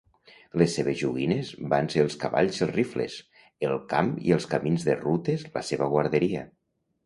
Les seves joguines van ser els cavalls i els rifles, el camp i els camins de rutes la seva guarderia.